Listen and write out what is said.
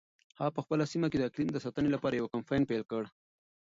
هغه په خپله سیمه کې د اقلیم د ساتنې لپاره یو کمپاین پیل کړ.